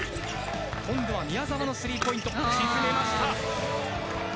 今度は宮澤のスリーポイント、沈めました。